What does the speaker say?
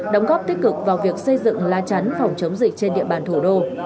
đóng góp tích cực vào việc xây dựng la chắn phòng chống dịch trên địa bàn thủ đô